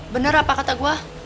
bener apa kata gue